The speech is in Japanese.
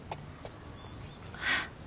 あっ。